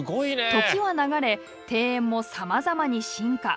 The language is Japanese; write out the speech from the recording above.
時は流れ庭園もさまざまに進化。